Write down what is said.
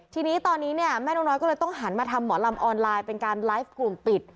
ทีนี้ตอนนี้เนี่ยแม่นกน้อยก็เลยต้องหันมาทำหมอลำออนไลน์เป็นการไลฟ์กลุ่มปิด